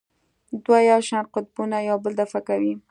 دوه یو شان قطبونه یو بل دفع کوي.